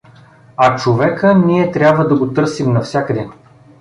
А човека ние трябва да го търсим навсякъде.